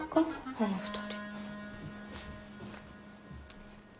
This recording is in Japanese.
あの２人。